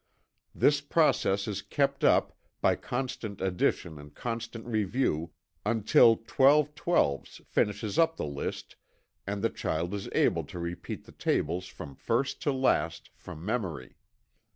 This process is kept up, by constant addition and constant review, until "12 twelves" finishes up the list, and the child is able to repeat the "tables" from first to last from memory.